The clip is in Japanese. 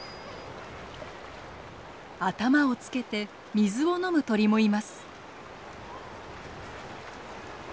頭をつけて水を飲む鳥もいます。